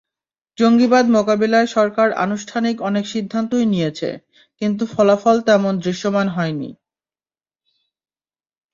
জঙ্গিবাদ মোকাবিলায় সরকার আনুষ্ঠানিক অনেক সিদ্ধান্তই নিয়েছে, কিন্তু ফলাফল তেমন দৃশ্যমান হয়নি।